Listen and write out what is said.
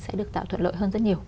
sẽ được tạo thuận lợi hơn rất nhiều